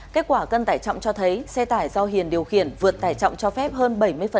kết quả cân tải trọng cho thấy xe tải do hiền điều khiển vượt tải trọng cho phép hơn bảy mươi